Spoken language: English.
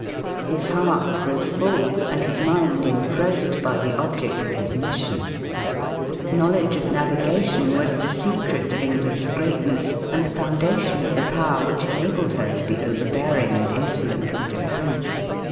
His heart was fall and his mind engrossed by the object of his mission. Knowledge of navigation was the secret of England's greatness, and the foundation ,of the power which enabled her to be overbearing and insolent in Japan.